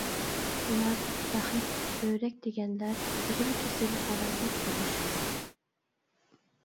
تۇمار، بەخت، بۆرەك دېگەنلەر، ئۈزۈل-كېسىل ھالاكەت بولۇش.